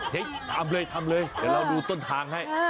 ทำเลยเดี๋ยวเรารู้ต้นทางให้